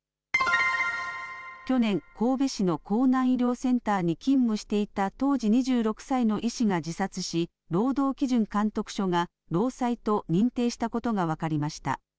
去年、神戸市の甲南医療センターに勤務していた当時２６歳の医師が自殺し、労働基準監督署が労災と認定したことが分かりました。